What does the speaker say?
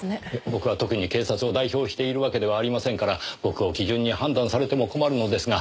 僕は特に警察を代表しているわけではありませんから僕を基準に判断されても困るのですが。